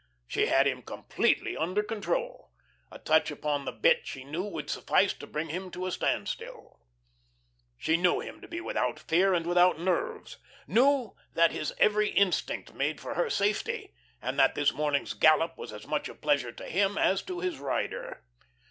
She had him completely under control. A touch upon the bit, she knew, would suffice to bring him to a standstill. She knew him to be without fear and without nerves, knew that his every instinct made for her safety, and that this morning's gallop was as much a pleasure to him as to his rider.